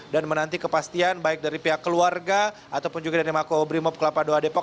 dan menanti kepastian baik dari pihak keluarga ataupun juga dari makobrimob kelapa ii depok